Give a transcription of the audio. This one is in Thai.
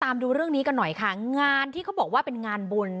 ดูเรื่องนี้กันหน่อยค่ะงานที่เขาบอกว่าเป็นงานบุญ